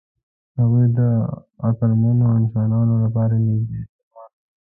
هغوی د عقلمنو انسانانو لپاره نږدې خپلوان وو.